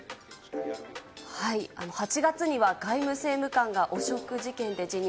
８月には外務政務官が汚職事件で辞任。